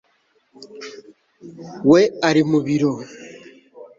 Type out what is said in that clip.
We ari mu biro